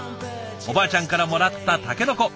おばあちゃんからもらったタケノコ。